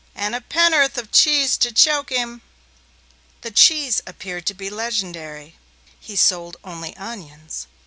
. And a penn'orth of cheese to choke him. The cheese appeared to be legendary; he sold only onions.